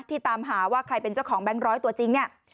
ตามหาว่าใครเป็นเจ้าของแบงค์ร้อยตัวจริงเนี่ย